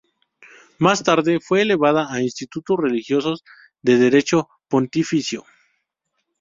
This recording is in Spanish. Más tarde fue elevada a instituto religiosos "de derecho pontificio".